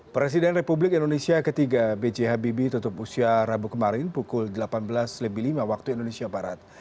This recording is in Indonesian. presiden republik indonesia ketiga b j habibie tutup usia rabu kemarin pukul delapan belas lebih lima waktu indonesia barat